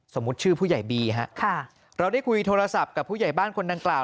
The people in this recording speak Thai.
ชื่อผู้ใหญ่บีฮะค่ะเราได้คุยโทรศัพท์กับผู้ใหญ่บ้านคนดังกล่าว